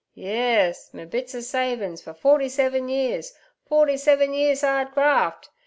'Yerz, me bits er savin's fer forty seven years—forty seven years 'ard graft.